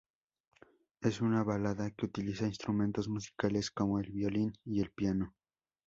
Es una balada que utiliza instrumentos musicales como el violín y el piano.